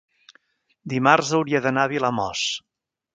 dimarts hauria d'anar a Vilamòs.